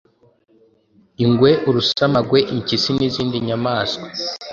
ingwe, urusamagwe, impyisi nizindi nyamaswa